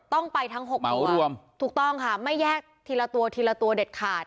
ต้องไปทั้งหกเหมารวมถูกต้องค่ะไม่แยกทีละตัวทีละตัวเด็ดขาด